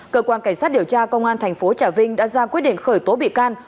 cơ quan cảnh sát điều tra công an thành phố trà vinh đã ra quyết định khởi tố bị can